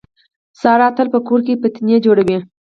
ساره تل په کور کې فتنې جوړوي.